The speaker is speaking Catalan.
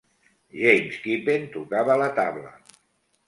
James Kippen tocava la tabla.